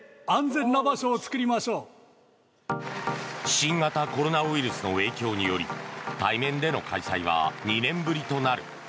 新型コロナウイルスの影響により対面での開催は２年ぶりとなる。